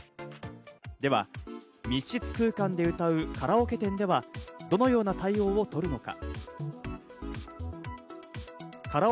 では密室空間で歌うカラオケ店では、どのような対応をとるのか？